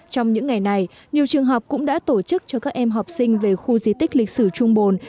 trong những ngày này nhiều trường học cũng đã tổ chức cho các em học sinh về khu di tích lịch sử trung bồn